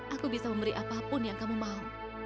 aku bisa memberi apapun yang kamu mau